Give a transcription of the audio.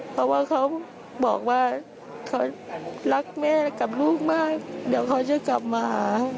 เพราะว่าเขาบอกว่าเขารักแม่กับลูกมากเดี๋ยวเขาจะกลับมาหา